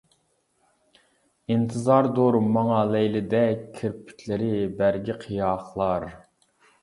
ئىنتىزاردۇر ماڭا لەيلىدەك، كىرپىكلىرى بەرگى قىياقلار.